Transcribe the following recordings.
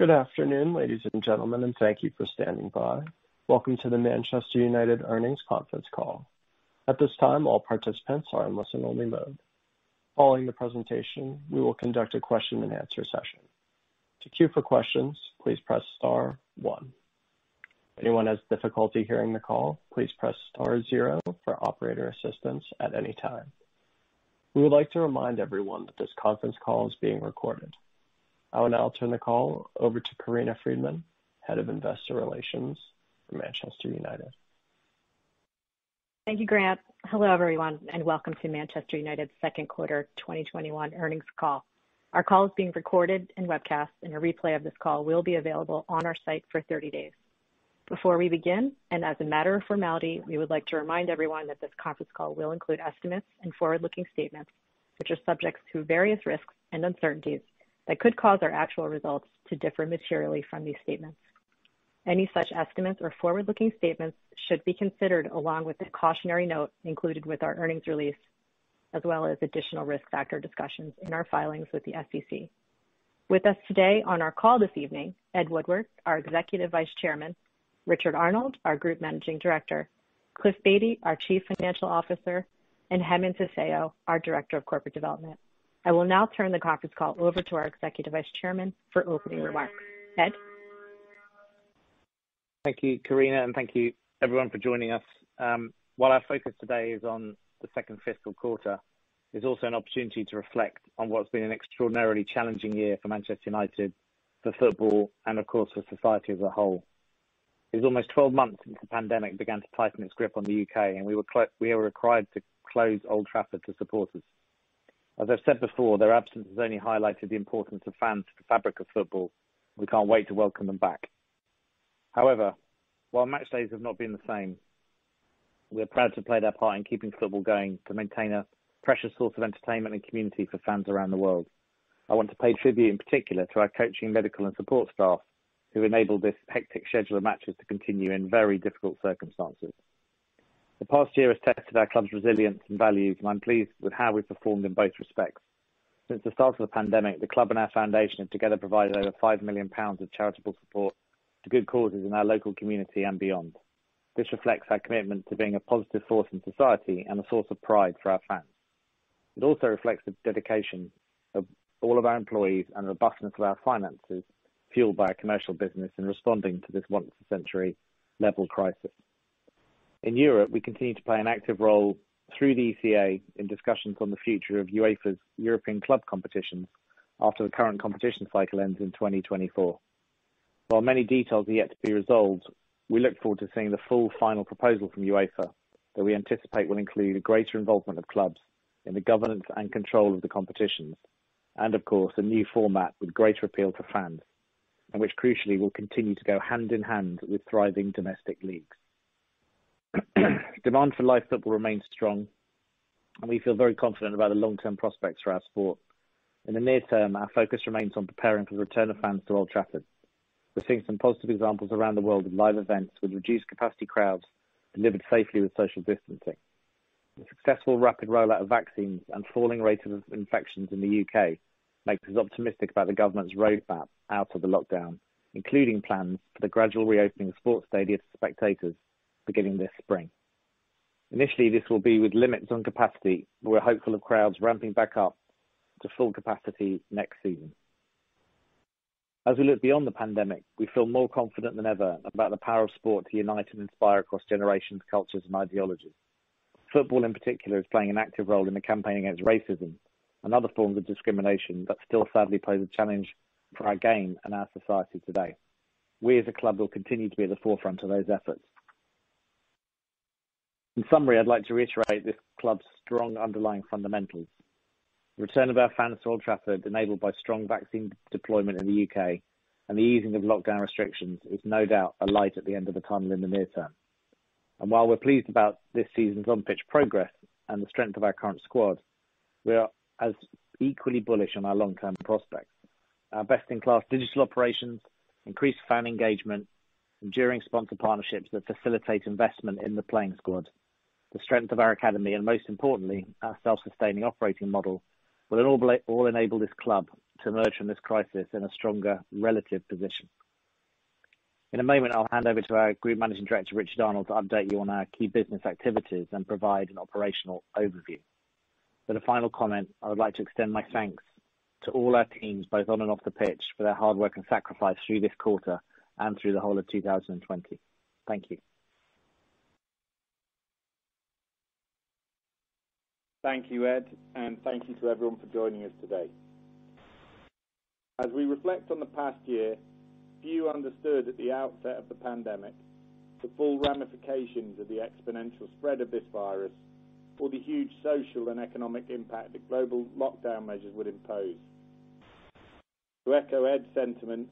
Good afternoon, ladies and gentlemen, and thank you for standing by. Welcome to the Manchester United Earnings Conference Call. At this time, all participants are in listen-only mode. Following the presentation, we will conduct a question-and-answer session. To queue for questions, please press star one. If anyone has difficulty hearing the call, please press star zero for operator assistance at any time. We would like to remind everyone that this conference call is being recorded. I will now turn the call over to Corinna Freedman, Head of Investor Relations for Manchester United. Thank you, Grant. Hello, everyone, welcome to Manchester United's Second Quarter 2021 Earnings Call. Our call is being recorded and webcast, a replay of this call will be available on our site for 30 days. Before we begin, as a matter of formality, we would like to remind everyone that this conference call will include estimates and forward-looking statements, which are subject to various risks and uncertainties that could cause our actual results to differ materially from these statements. Any such estimates or forward-looking statements should be considered along with the cautionary note included with our earnings release, as well as additional risk factor discussions in our filings with the SEC. With us today on our call this evening, Ed Woodward, our Executive Vice Chairman, Richard Arnold, our Group Managing Director, Cliff Baty, our Chief Financial Officer, and Hemen Tseayo, our Director of Corporate Development. I will now turn the conference call over to our Executive Vice Chairman for opening remarks. Ed? Thank you, Corinna, and thank you everyone for joining us. While our focus today is on the second fiscal quarter, it's also an opportunity to reflect on what's been an extraordinarily challenging year for Manchester United, for football, and of course, for society as a whole. It's almost 12 months since the pandemic began to tighten its grip on the U.K., and we were required to close Old Trafford to supporters. As I've said before, their absence has only highlighted the importance of fans to the fabric of football. We can't wait to welcome them back. However, while match days have not been the same, we are proud to have played our part in keeping football going to maintain a precious source of entertainment and community for fans around the world. I want to pay tribute in particular to our coaching, medical, and support staff who enabled this hectic schedule of matches to continue in very difficult circumstances. The past year has tested our club's resilience and values, and I'm pleased with how we've performed in both respects. Since the start of the pandemic, the club and our foundation have together provided over 5 million pounds of charitable support to good causes in our local community and beyond. This reflects our commitment to being a positive force in society and a source of pride for our fans. It also reflects the dedication of all of our employees and the robustness of our finances, fueled by our commercial business in responding to this once in a century level crisis. In Europe, we continue to play an active role through the ECA in discussions on the future of UEFA's European Club competitions after the current competition cycle ends in 2024. While many details are yet to be resolved, we look forward to seeing the full final proposal from UEFA that we anticipate will include a greater involvement of clubs in the governance and control of the competitions, and of course, a new format with greater appeal to fans, and which crucially will continue to go hand in hand with thriving domestic leagues. Demand for live football remains strong, and we feel very confident about the long-term prospects for our sport. In the near term, our focus remains on preparing for the return of fans to Old Trafford. We're seeing some positive examples around the world of live events with reduced capacity crowds delivered safely with social distancing. The successful rapid rollout of vaccines and falling rates of infections in the U.K. makes us optimistic about the government's roadmap out of the lockdown, including plans for the gradual reopening of sports stadiums to spectators beginning this spring. Initially, this will be with limits on capacity. We're hopeful of crowds ramping back up to full capacity next season. As we look beyond the pandemic, we feel more confident than ever about the power of sport to unite and inspire across generations, cultures, and ideologies. Football, in particular, is playing an active role in the campaign against racism and other forms of discrimination that still sadly pose a challenge for our game and our society today. We, as a club, will continue to be at the forefront of those efforts. In summary, I'd like to reiterate this club's strong underlying fundamentals. The return of our fans to Old Trafford, enabled by strong vaccine deployment in the U.K. and the easing of lockdown restrictions, is no doubt a light at the end of the tunnel in the near term. While we're pleased about this season's on-pitch progress and the strength of our current squad, we are as equally bullish on our long-term prospects. Our best in class digital operations, increased fan engagement, enduring sponsor partnerships that facilitate investment in the playing squad, the strength of our academy, and most importantly, our self-sustaining operating model, will all enable this club to emerge from this crisis in a stronger relative position. In a moment, I'll hand over to our Group Managing Director, Richard Arnold, to update you on our key business activities and provide an operational overview. A final comment, I would like to extend my thanks to all our teams, both on and off the pitch, for their hard work and sacrifice through this quarter and through the whole of 2020. Thank you. Thank you, Ed, and thank you to everyone for joining us today. As we reflect on the past year, few understood at the outset of the pandemic the full ramifications of the exponential spread of this virus or the huge social and economic impact that global lockdown measures would impose. To echo Ed's sentiments,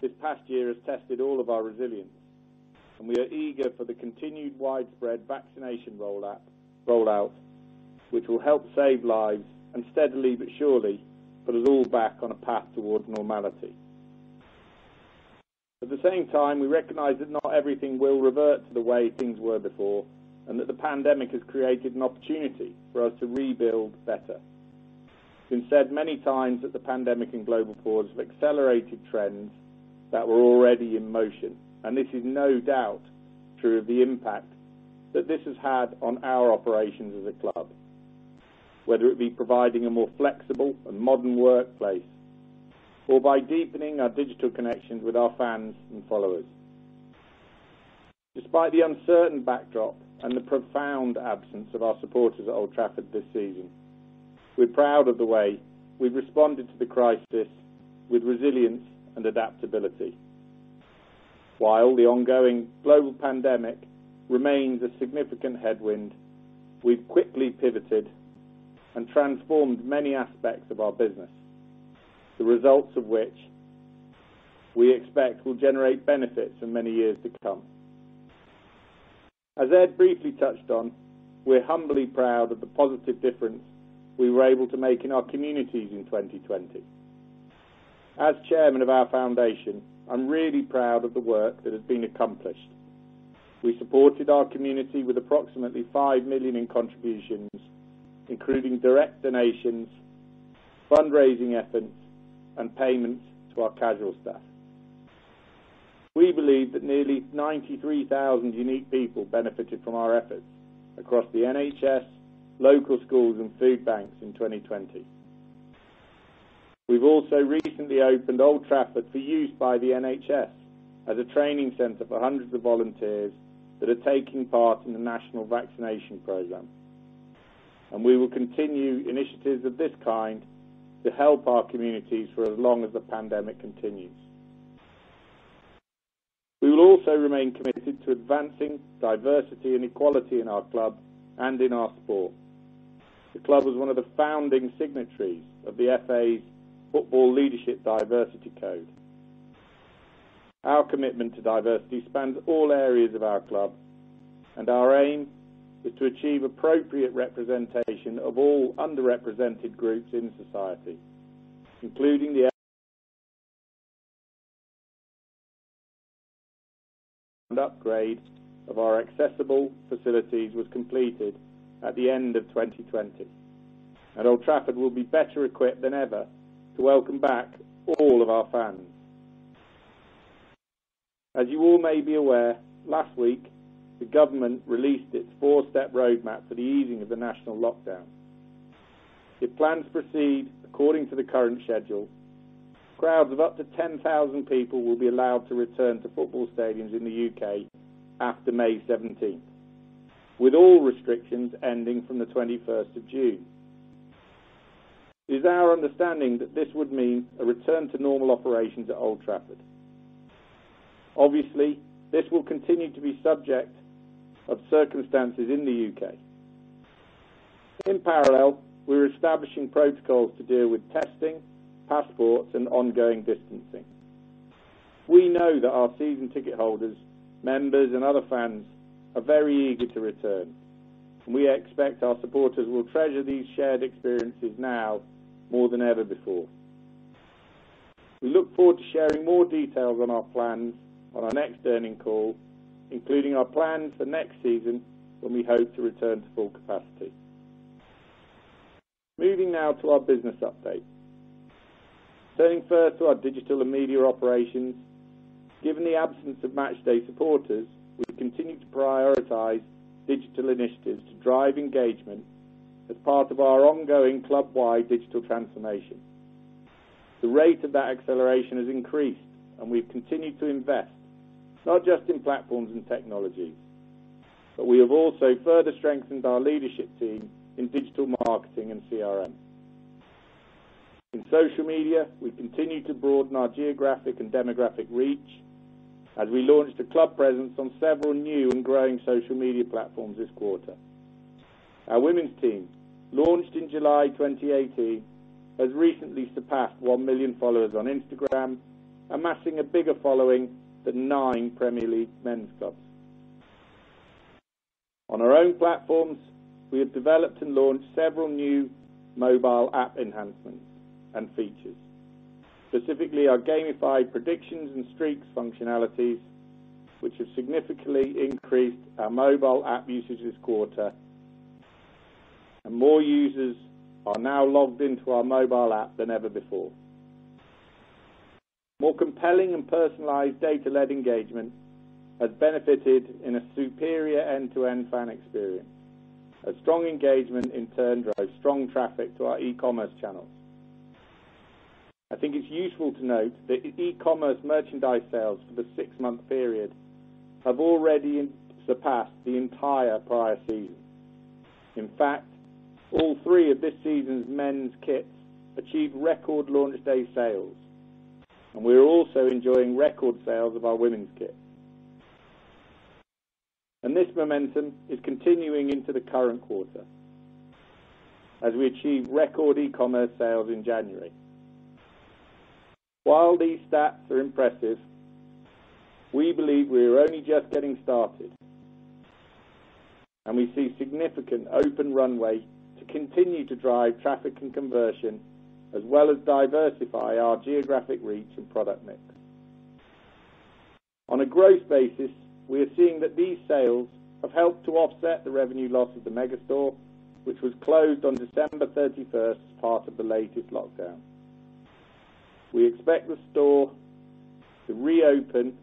this past year has tested all of our resilience, and we are eager for the continued widespread vaccination rollout, which will help save lives and steadily but surely put us all back on a path towards normality. At the same time, we recognize that not everything will revert to the way things were before, and that the pandemic has created an opportunity for us to rebuild better. It's been said many times that the pandemic and global wars have accelerated trends that were already in motion, and this is no doubt true of the impact that this has had on our operations as a club, whether it be providing a more flexible and modern workplace or by deepening our digital connections with our fans and followers. Despite the uncertain backdrop and the profound absence of our supporters at Old Trafford this season, we're proud of the way we've responded to the crisis with resilience and adaptability. While the ongoing global pandemic remains a significant headwind, we've quickly pivoted and transformed many aspects of our business, the results of which we expect will generate benefits for many years to come. As Ed briefly touched on, we're humbly proud of the positive difference we were able to make in our communities in 2020. As chairman of our foundation, I'm really proud of the work that has been accomplished. We supported our community with approximately 5 million in contributions, including direct donations, fundraising efforts, and payments to our casual staff. We believe that nearly 93,000 unique people benefited from our efforts across the NHS, local schools, and food banks in 2020. We've also recently opened Old Trafford for use by the NHS as a training center for hundreds of volunteers that are taking part in the national vaccination program. We will continue initiatives of this kind to help our communities for as long as the pandemic continues. We will also remain committed to advancing diversity and equality in our club and in our sport. The club was one of the founding signatories of The FA's Football Leadership Diversity Code. Our commitment to diversity spans all areas of our club, and our aim is to achieve appropriate representation of all underrepresented groups in society. Upgrade of our accessible facilities was completed at the end of 2020. Old Trafford will be better equipped than ever to welcome back all of our fans. As you all may be aware, last week, the government released its four-step roadmap for the easing of the national lockdown. If plans proceed according to the current schedule, crowds of up to 10,000 people will be allowed to return to football stadiums in the U.K. after May 17th, with all restrictions ending from the 21st of June. It is our understanding that this would mean a return to normal operations at Old Trafford. Obviously, this will continue to be subject of circumstances in the U.K. In parallel, we're establishing protocols to deal with testing, passports, and ongoing distancing. We know that our season ticket holders, members, and other fans are very eager to return, and we expect our supporters will treasure these shared experiences now more than ever before. We look forward to sharing more details on our plans on our next earning call, including our plans for next season, when we hope to return to full capacity. Moving now to our business update. Turning first to our digital and media operations. Given the absence of match day supporters, we continue to prioritize digital initiatives to drive engagement as part of our ongoing club-wide digital transformation. The rate of that acceleration has increased, and we've continued to invest not just in platforms and technologies, but we have also further strengthened our leadership team in digital marketing and CRM. In social media, we continue to broaden our geographic and demographic reach as we launched a club presence on several new and growing social media platforms this quarter. Our women's team, launched in July 2018, has recently surpassed 1 million followers on Instagram, amassing a bigger following than nine Premier League men's clubs. On our own platforms, we have developed and launched several new mobile app enhancements and features, specifically our gamified predictions and streaks functionalities, which have significantly increased our mobile app usage this quarter. More users are now logged into our mobile app than ever before. More compelling and personalized data-led engagement has benefited in a superior end-to-end fan experience. A strong engagement in turn drives strong traffic to our e-commerce channels. I think it's useful to note that e-commerce merchandise sales for the six-month period have already surpassed the entire prior season. In fact, all three of this season's men's kits achieved record launch day sales. We are also enjoying record sales of our women's kit. This momentum is continuing into the current quarter as we achieve record e-commerce sales in January. While these stats are impressive, we believe we are only just getting started. We see significant open runway to continue to drive traffic and conversion, as well as diversify our geographic reach and product mix. On a growth basis, we are seeing that these sales have helped to offset the revenue loss of the Megastore, which was closed on December 31st as part of the latest lockdown. We expect the store to reopen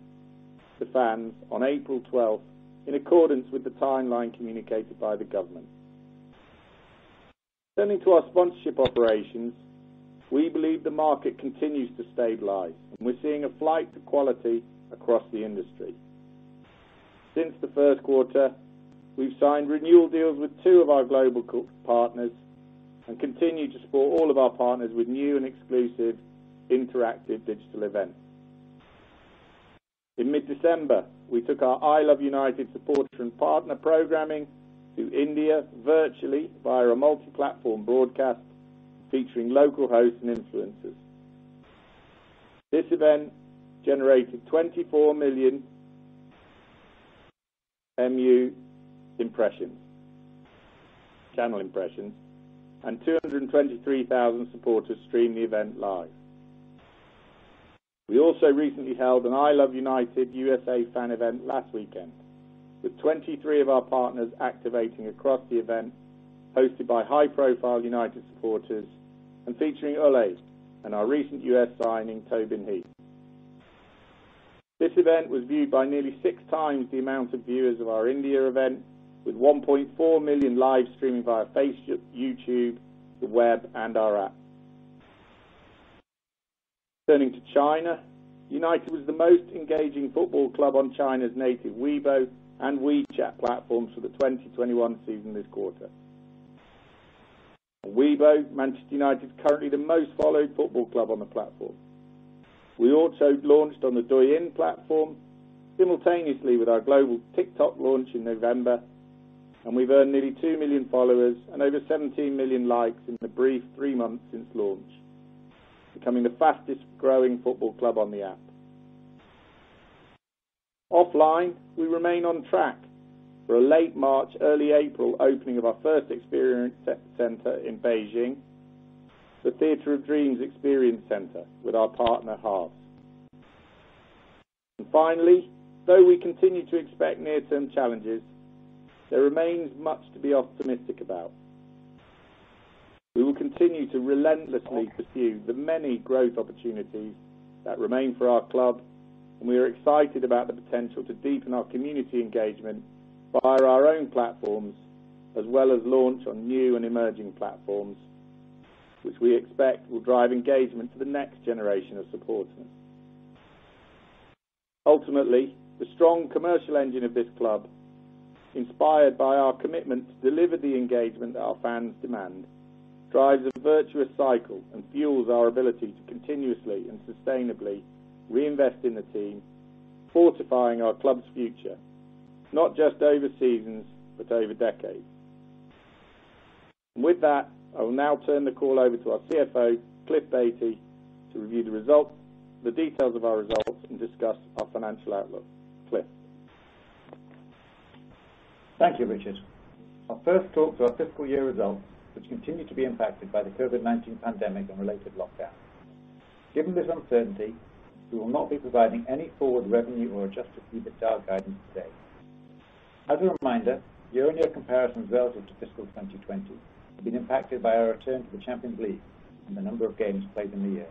to fans on April 12th, in accordance with the timeline communicated by the government. Turning to our sponsorship operations, we believe the market continues to stabilize, and we're seeing a flight to quality across the industry. Since the first quarter, we've signed renewal deals with two of our global partners and continue to support all of our partners with new and exclusive interactive digital events. In mid-December, we took our #ILOVEUNITED supporter and partner programming to India virtually via a multi-platform broadcast featuring local hosts and influencers. This event generated 24 million MU impressions, channel impressions, and 223,000 supporters streamed the event live. We also recently held an #ILOVEUNITED USA fan event last weekend, with 23 of our partners activating across the event, hosted by high-profile United supporters and featuring Ole and our recent U.S. signing, Tobin Heath. This event was viewed by nearly six times the amount of viewers of our India event, with 1.4 million live streaming via Facebook, YouTube, the web, and our app. Turning to China, United was the most engaging football club on China's native Weibo and WeChat platforms for the 2021 season this quarter. On Weibo, Manchester United is currently the most followed football club on the platform. We also launched on the Douyin platform simultaneously with our global TikTok launch in November. We've earned nearly 2 million followers and over 17 million likes in the brief three months since launch, becoming the fastest-growing football club on the app. Offline, we remain on track for a late March, early April opening of our first experience center in Beijing, the Theatre of Dreams Experience Centre with our partner, Harves. Finally, though we continue to expect near-term challenges, there remains much to be optimistic about. We will continue to relentlessly pursue the many growth opportunities that remain for our club, and we are excited about the potential to deepen our community engagement via our own platforms, as well as launch on new and emerging platforms, which we expect will drive engagement for the next generation of supporters. Ultimately, the strong commercial engine of this club, inspired by our commitment to deliver the engagement that our fans demand, drives a virtuous cycle and fuels our ability to continuously and sustainably reinvest in the team, fortifying our club's future, not just over seasons, but over decades. With that, I will now turn the call over to our CFO, Cliff Baty, to review the details of our results and discuss our financial outlook. Cliff? Thank you, Richard. I'll first talk to our fiscal year results, which continue to be impacted by the COVID-19 pandemic and related lockdowns. Given this uncertainty, we will not be providing any forward revenue or adjusted EBITDA guidance today. As a reminder, year-on-year comparisons relative to fiscal 2020 have been impacted by our return to the UEFA Champions League and the number of games played in the year.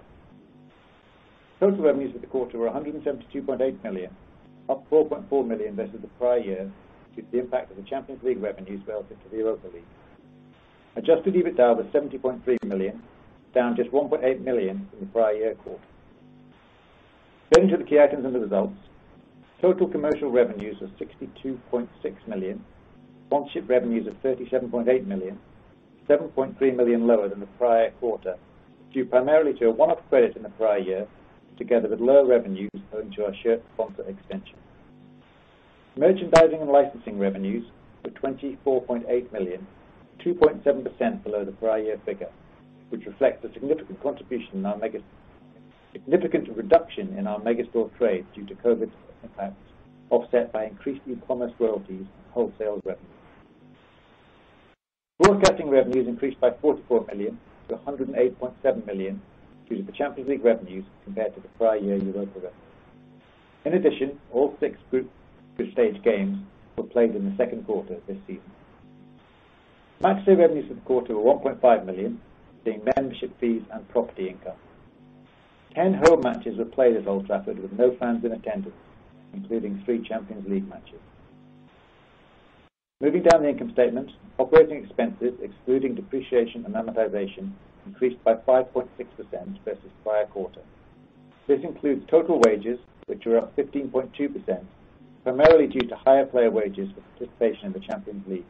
Total revenues for the quarter were 172.8 million, up 4.4 million versus the prior year due to the impact of the UEFA Champions League revenues relative to the Europa League. Adjusted EBITDA was 70.3 million, down just 1.8 million from the prior year quarter. Turning to the key items in the results. Total commercial revenues were 62.6 million. Sponsorship revenues of 37.8 million, 7.3 million lower than the prior quarter, due primarily to a one-off credit in the prior year, together with lower revenues owing to our shirt sponsor extension. Merchandising and licensing revenues were 24.8 million, 2.7% below the prior year figure, which reflects the significant reduction in our Megastore trade due to COVID's impact, offset by increased e-commerce royalties and wholesale revenues. Broadcasting revenues increased by 44 million to 108.7 million due to the Champions League revenues compared to the prior year Europa revenues. In addition, all six group stage games were played in the second quarter this season. Matchday revenues for the quarter were 1.5 million, being membership fees and property income. 10 home matches were played at Old Trafford with no fans in attendance, including three Champions League matches. Moving down the income statement, operating expenses, excluding depreciation and amortization, increased by 5.6% versus the prior quarter. This includes total wages, which were up 15.2%, primarily due to higher player wages with participation in the Champions League.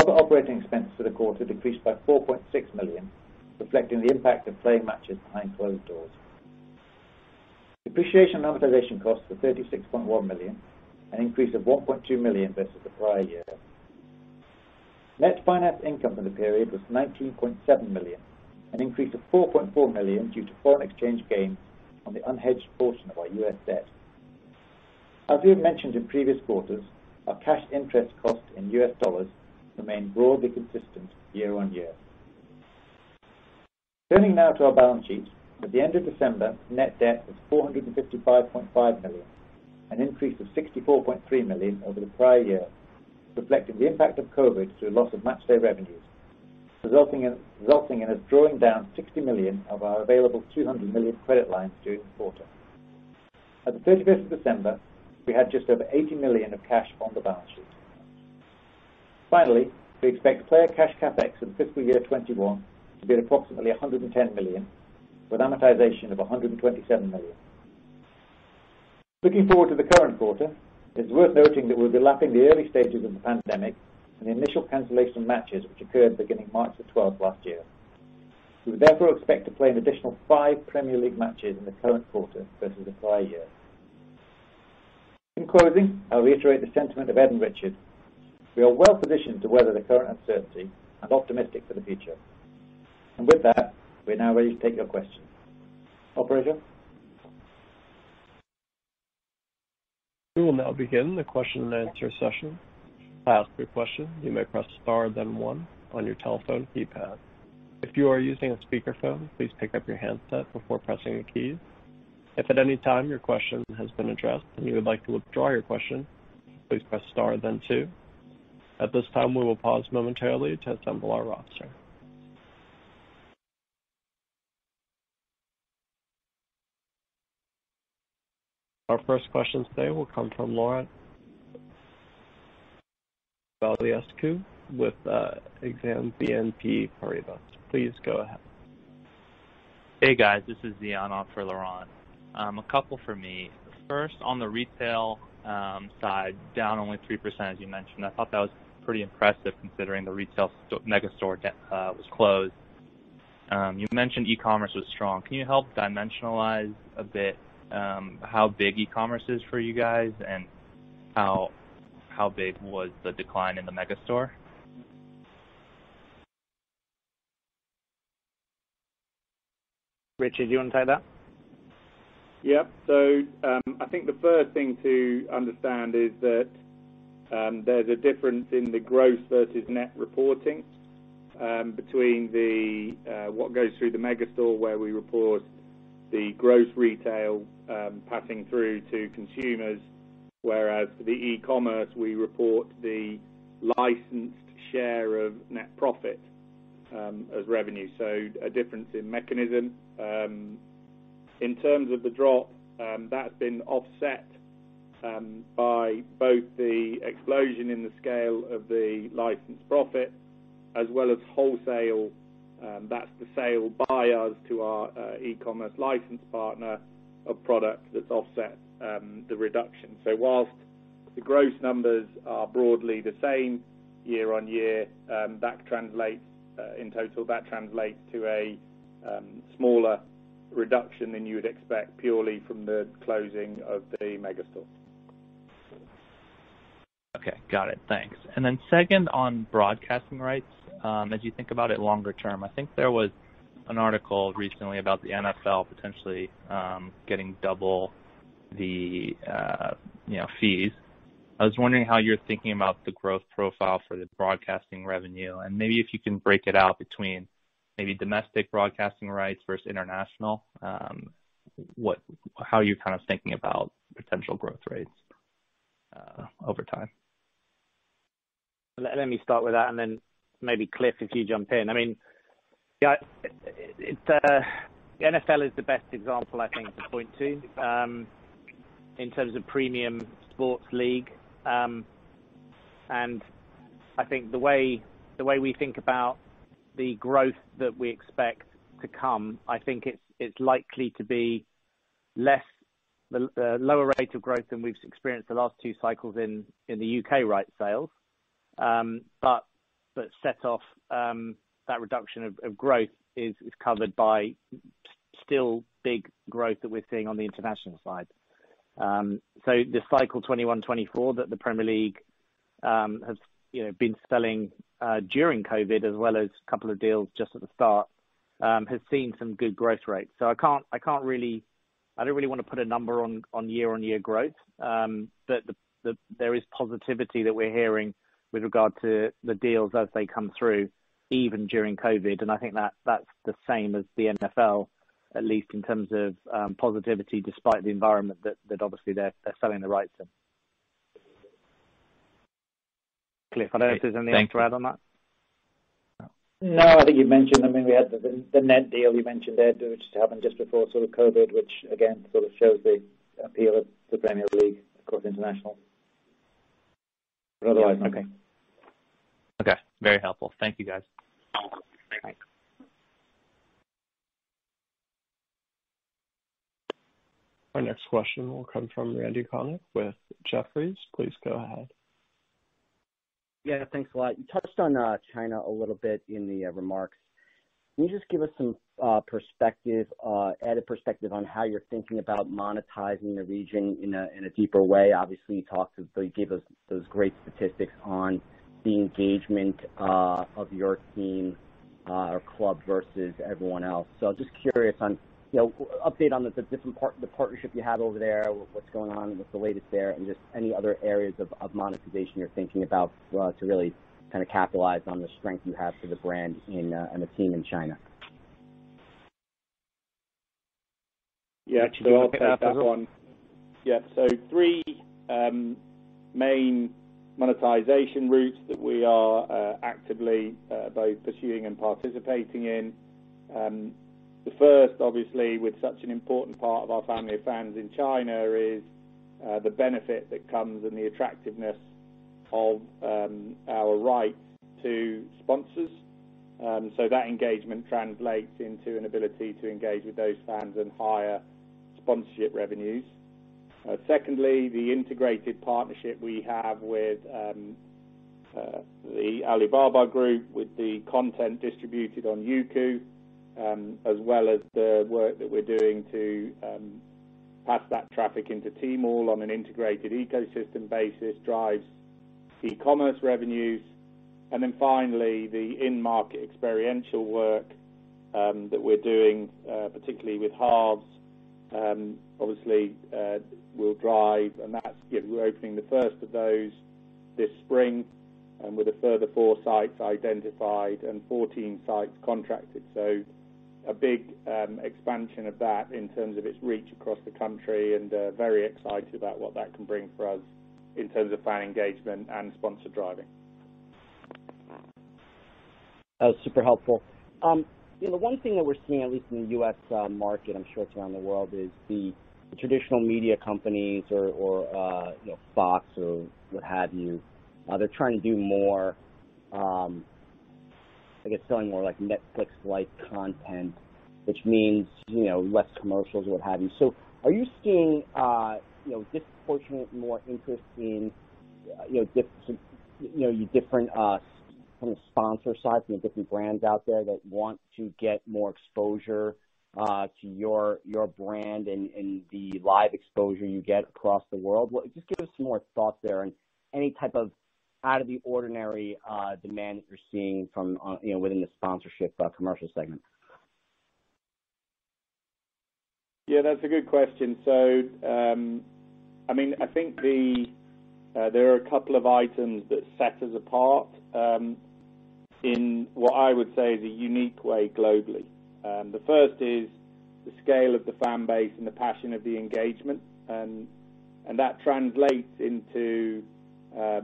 Other operating expenses for the quarter decreased by 4.6 million, reflecting the impact of playing matches behind closed doors. Depreciation and amortization costs were 36.1 million, an increase of 1.2 million versus the prior year. Net finance income for the period was $19.7 million, an increase of $4.4 million due to foreign exchange gains on the unhedged portion of our U.S. debt. As we have mentioned in previous quarters, our cash interest cost in U.S. dollars remained broadly consistent year on year. Turning now to our balance sheet. At the end of December, net debt was $455.5 million, an increase of $64.3 million over the prior year, reflecting the impact of COVID through a loss of matchday revenues, resulting in us drawing down $60 million of our available $200 million credit line during the quarter. At the 31st of December, we had just over $80 million of cash on the balance sheet. Finally, we expect player cash CapEx in fiscal year 2021 to be approximately 110 million, with amortization of 127 million. Looking forward to the current quarter, it's worth noting that we'll be lapping the early stages of the pandemic and the initial cancellation of matches which occurred beginning March the 12th last year. We would therefore expect to play an additional five Premier League matches in the current quarter versus the prior year. In closing, I'll reiterate the sentiment of Ed and Richard. We are well-positioned to weather the current uncertainty and optimistic for the future. With that, we're now ready to take your questions. Operator? We will now begin the question-and-answer session. To ask a question, you may press star then one on your telephone keypad. If you are using a speakerphone, please pick up your handset before pressing a key. If at any time your question has been addressed and you would like to withdraw your question, please press star then two. At this time, we will pause momentarily to assemble our roster. Our first question today will come from Laurent Vasilescu with Exane BNP Paribas. Please go ahead. Hey, guys. This is Zion on for Laurent. A couple for me. First, on the retail side, down only 3%, as you mentioned. I thought that was pretty impressive, considering the retail megastore was closed. You mentioned e-commerce was strong. Can you help dimensionalize a bit how big e-commerce is for you guys and how big was the decline in the megastore? Richard, do you want to take that? I think the first thing to understand is that there is a difference in the gross versus net reporting between what goes through the megastore, where we report the gross retail passing through to consumers, whereas for the e-commerce, we report the licensed share of net profit as revenue. A difference in mechanism. In terms of the drop, that has been offset by both the explosion in the scale of the licensed profit as well as wholesale. That is the sale by us to our e-commerce license partner of product that has offset the reduction. Whilst the gross numbers are broadly the same year-on-year, in total that translates to a smaller reduction than you would expect purely from the closing of the megastore. Okay. Got it. Thanks. Second on broadcasting rights, as you think about it longer term, I think there was an article recently about the NFL potentially getting double the fees. I was wondering how you're thinking about the growth profile for the broadcasting revenue, and maybe if you can break it out between maybe domestic broadcasting rights versus international. How are you thinking about potential growth rates over time? Let me start with that and then maybe Cliff, if you jump in. The NFL is the best example, I think, to point to in terms of premium sports league. I think the way we think about the growth that we expect to come, I think it's likely to be a lower rate of growth than we've experienced the last two cycles in the U.K. rights sales. Set off, that reduction of growth is covered by still big growth that we're seeing on the international side. The cycle 2021, 2024 that the Premier League has been selling during COVID, as well as a couple of deals just at the start, has seen some good growth rates. I don't really want to put a number on year on year growth. There is positivity that we're hearing with regard to the deals as they come through, even during COVID, and I think that's the same as the NFL, at least in terms of positivity, despite the environment that obviously they're selling the rights in. Cliff, I don't know if there's anything to add on that. No. No, I think you've mentioned, we had the NENT deal you mentioned, Ed, which happened just before sort of COVID, which again, sort of shows the appeal of the Premier League across international. Okay. Very helpful. Thank you, guys. Thanks. Our next question will come from Randal Konik with Jefferies. Please go ahead. Yeah, thanks a lot. You touched on China a little bit in the remarks. Can you just give us some added perspective on how you're thinking about monetizing the region in a deeper way? You gave us those great statistics on the engagement of your team or club versus everyone else. Just curious on an update on the partnership you have over there, what's going on, what's the latest there, and just any other areas of monetization you're thinking about to really capitalize on the strength you have for the brand and the team in China. I'll take that one. Three main monetization routes that we are actively both pursuing and participating in. The first, obviously, with such an important part of our family of fans in China, is the benefit that comes and the attractiveness of our rights to sponsors. That engagement translates into an ability to engage with those fans and higher sponsorship revenues. Secondly, the integrated partnership we have with the Alibaba Group, with the content distributed on Youku, as well as the work that we're doing to pass that traffic into Tmall on an integrated ecosystem basis, drives e-commerce revenues. Finally, the in-market experiential work that we're doing, particularly with Harves, obviously, will drive. We're opening the first of those this spring, and with a further four sites identified and 14 sites contracted. A big expansion of that in terms of its reach across the country, and very excited about what that can bring for us in terms of fan engagement and sponsor driving. That was super helpful. The one thing that we're seeing, at least in the U.S. market, I'm sure it's around the world, is the traditional media companies or Fox or what have you, they're trying to do more, I guess selling more Netflix-like content, which means less commercials, what have you. Are you seeing disproportionate more interest in different sponsor sides and different brands out there that want to get more exposure to your brand and the live exposure you get across the world? Just give us some more thoughts there and any type of out of the ordinary demand that you're seeing within the sponsorship commercial segment. Yeah, that's a good question. I think there are a couple of items that set us apart in what I would say is a unique way globally. The first is the scale of the fan base and the passion of the engagement. That translates into, for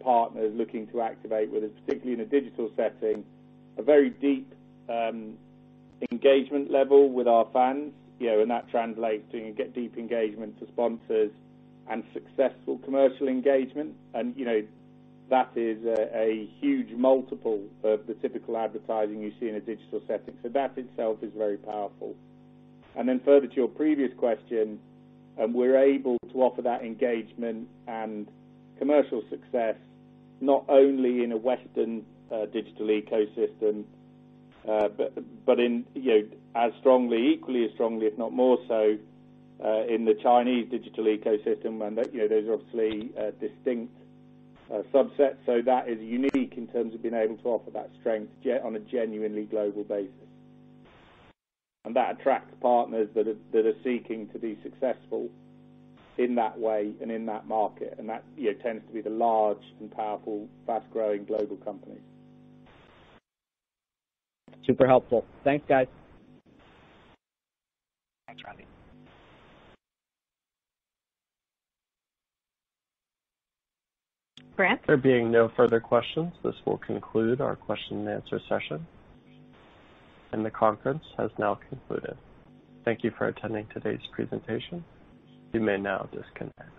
partners looking to activate with us, particularly in a digital setting, a very deep engagement level with our fans, and that translates to get deep engagement to sponsors and successful commercial engagement. That is a huge multiple of the typical advertising you see in a digital setting. That itself is very powerful. Further to your previous question, we're able to offer that engagement and commercial success not only in a Western digital ecosystem, but equally as strongly, if not more so, in the Chinese digital ecosystem, and those are obviously a distinct subset. That is unique in terms of being able to offer that strength on a genuinely global basis. That attracts partners that are seeking to be successful in that way and in that market, and that tends to be the large and powerful, fast-growing global companies. Super helpful. Thanks, guys. Thanks, Randy. Grant? There being no further questions, this will conclude our question-and-answer session. The conference has now concluded. Thank you for attending today's presentation. You may now disconnect.